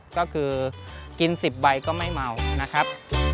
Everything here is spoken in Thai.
ก็คือกิน๑๐ใบก็ไม่เมานะครับ